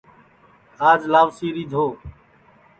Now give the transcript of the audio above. آج لاؤسی رِیدھو